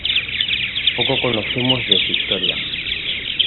Poco conocemos de su historia.